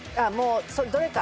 どれか？